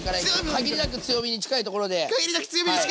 限りなく強火に近いところで。